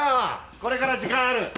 これから時間ある？